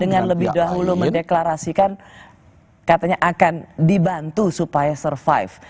dengan lebih dahulu mendeklarasikan katanya akan dibantu supaya survive